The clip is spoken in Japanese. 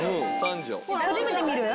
初めて見る？